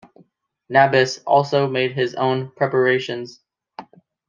Nabis also made his own preparations.